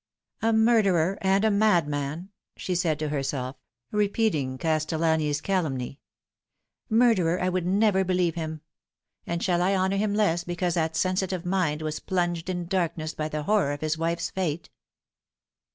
" A murderer and a madman," she said to herself, repeating Castellani's calumny. " Murderer I would never believe him ; and shall I honour him less because that sensitive mind was plunged in darkness by the horror of his wife's fate